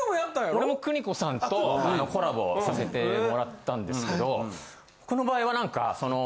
俺も邦子さんとコラボさせてもらったんですけど僕の場合はなんかその。